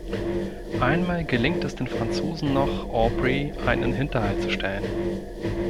Einmal gelingt es den Franzosen noch, Aubrey einen Hinterhalt zu stellen.